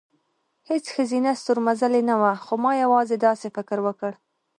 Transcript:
هېڅ ښځینه ستورمزلې نه وه، خو ما یوازې داسې فکر وکړ،